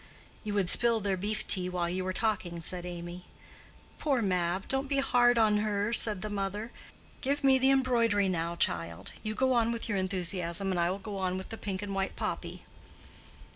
"You would spill their beef tea while you were talking," said Amy. "Poor Mab! don't be hard on her," said the mother. "Give me the embroidery now, child. You go on with your enthusiasm, and I will go on with the pink and white poppy."